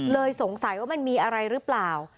สงสัยว่ามันมีอะไรหรือเปล่า